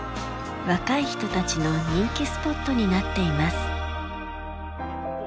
若い人たちの人気スポットになっています。